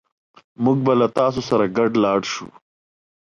موږ به له تاسو سره ګډ لاړ شو